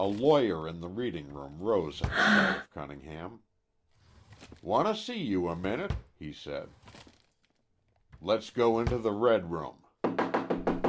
A lawyer in the reading room rose at sight of Cunningham. "Want to see you a minute," he said. "Let's go into the Red Room."